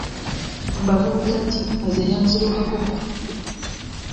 Mbabuulira ki baze yanzirukako